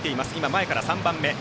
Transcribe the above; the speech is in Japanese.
前から３番目。